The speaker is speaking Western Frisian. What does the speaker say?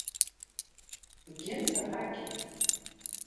Begjin te harkjen.